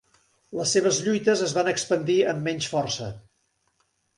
Les seves lluites es van expandir amb menys força.